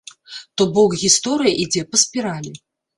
То бок гісторыя ідзе па спіралі.